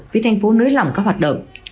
vì thành phố nới lỏng các hoạt động